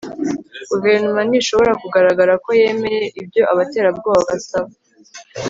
guverinoma ntishobora kugaragara ko yemeye ibyo abaterabwoba basaba